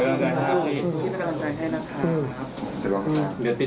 หรือติดตามคดี